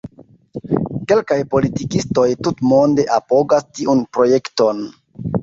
Kelkaj politikistoj tutmonde apogas tiun projekton.